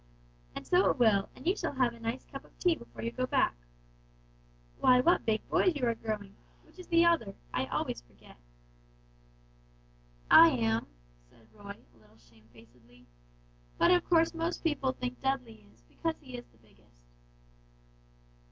"And so it will, and you shall have a nice cup of tea before you go back. Why, what big boys you are growing! Which is the elder? I always forget." "I am," said Roy, a little shamefacedly; "but of course most people think Dudley is, because he is the biggest."